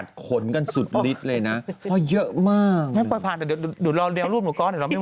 เดี๋ยวเราเนี่ยร่วมก่อน